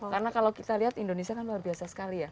karena kalau kita lihat indonesia kan luar biasa sekali ya